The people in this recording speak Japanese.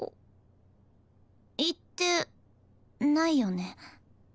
行ってないよね。